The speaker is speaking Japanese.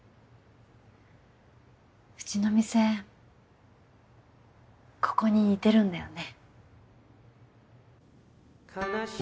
うちの店ここに似てるんだよね